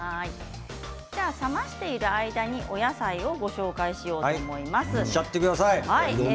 冷ましている間にお野菜をご紹介します。